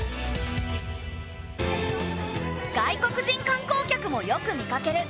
外国人観光客もよく見かける。